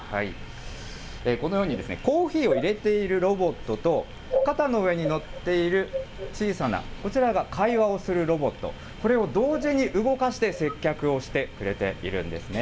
このように、コーヒーをいれているロボットと、肩の上に載っている小さなこちらが会話をするロボット、これを同時に動かして接客をしてくれているんですね。